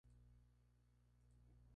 Allí había un templo de Atenea.